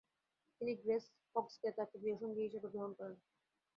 তিনি গ্রেস হগ্সকে তার তৃতীয় সঙ্গী হিসেবে গ্রহণ করেন।